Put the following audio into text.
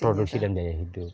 produksi dan biaya hidup